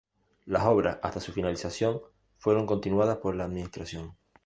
Las obras, hasta su finalización, fueron continuadas por la Administración.